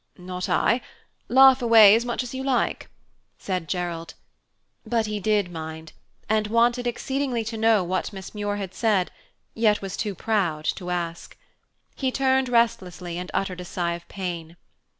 "Not I. Laugh away as much as you like," said Gerald. But he did mind, and wanted exceedingly to know what Miss Muir had said, yet was too proud to ask. He turned restlessly and uttered a sigh of pain.